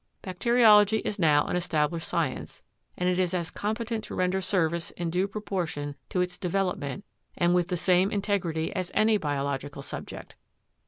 Bacteriology is now an established science, and it is as competent to render service in due proportion to its development and with the same integrity as any biological subject.